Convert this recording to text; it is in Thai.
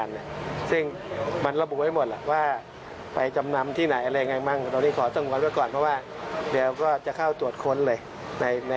เราก็จะเข้าตรวจค้นเลย